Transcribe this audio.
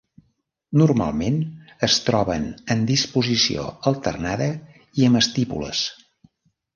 Normalment es troben en disposició alternada i amb estípules.